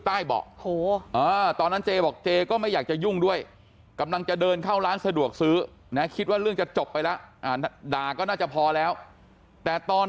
ใต้เบาะตอนนั้นเจบอกเจก็ไม่อยากจะยุ่งด้วยกำลังจะเดินเข้าร้านสะดวกซื้อนะคิดว่าเรื่องจะจบไปแล้วด่าก็น่าจะพอแล้วแต่ตอน